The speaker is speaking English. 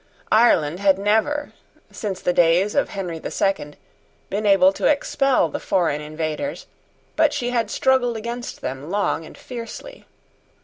Ireland had never, since the days of Henry the Second, been able to expel the foreign invaders; but she had struggled against them long and fiercely.